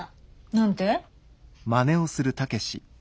何て？